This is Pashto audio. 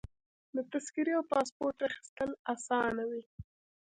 د تذکرې او پاسپورټ اخیستل اسانه وي.